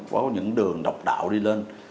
có những đường độc đạo đi lên